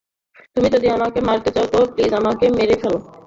যদি তুমি আমাকে মারতে চাও তো প্লিজ আমাকে মেরে ফেলো।